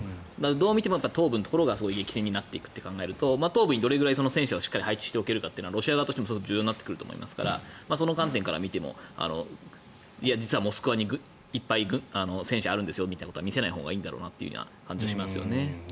どう見ても東部のほうが激戦になっていくと考えると東部にどれくらいしっかり戦車を配置できるかはロシア側から見ても重要になってくると思いますからその観点から見ても実はモスクワにいっぱい戦車があるんですよとは見えない感じがしますよね。